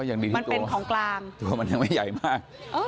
มันเป็นของกลางตัวมันยังไม่ใหญ่มาก